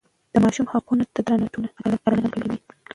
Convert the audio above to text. د ماشوم حقونو ته درناوی ټولنه عادلانه کوي.